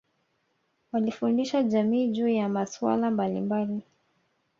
walifundisha jamii juu ya masuala mbalimbali